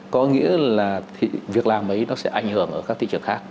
có nghĩa là việc làm ấy nó sẽ ảnh hưởng ở các thị trường khác